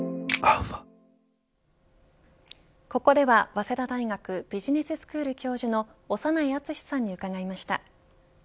ここでは早稲田大学ビジネススクール教授の長内厚さんに伺いました。